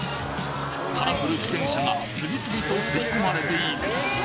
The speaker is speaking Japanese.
カラフル自転車が次々と吸い込まれていく